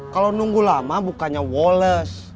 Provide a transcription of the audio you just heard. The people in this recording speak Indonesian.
kalau nunggu lama bukannya walless